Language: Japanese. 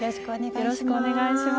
よろしくお願いします。